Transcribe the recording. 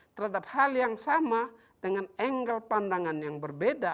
terhadap hal yang sama dengan angle pandangan yang berbeda